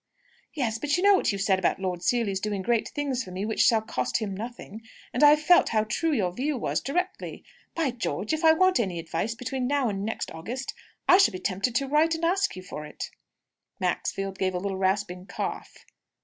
"Yes; but you know what you said about Lord Seely's doing great things for me which shall cost him nothing. And I felt how true your view was, directly. By George, if I want any advice between now and next August, I shall be tempted to write and ask you for it!" Maxfield gave a little rasping cough.